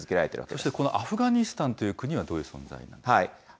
そしてこのアフガニスタンという国は、どういう存在でしょう